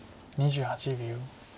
２８秒。